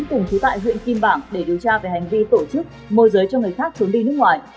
cùng chú tại huyện kim bảng để điều tra về hành vi tổ chức môi giới cho người khác trốn đi nước ngoài